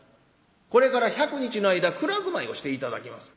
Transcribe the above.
これから１００日の間蔵住まいをして頂きます。